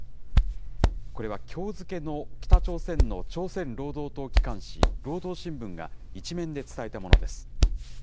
これはきょう付けの北朝鮮の朝鮮労働党機関紙、労働新聞が１面で伝えたものです。